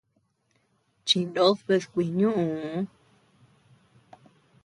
Chindod bedkuinu ñuʼuu.